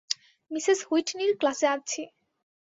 Mrs হুইটনির ক্লাসে আছি।